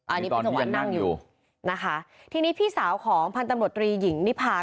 อันนี้เป็นจังหวะนั่งอยู่นะคะทีนี้พี่สาวของพันธุ์ตำรวจตรีหญิงนิพา